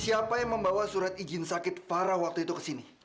siapa yang membawa surat izin sakit fara waktu itu ke sini